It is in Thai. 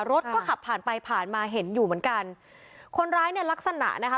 รถก็ขับผ่านไปผ่านมาเห็นอยู่เหมือนกันคนร้ายเนี่ยลักษณะนะคะ